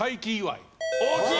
大きい！